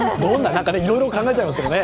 いろいろ考えちゃいますね。